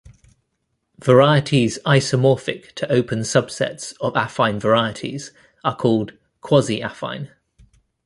Varieties isomorphic to open subsets of affine varieties are called quasi-affine.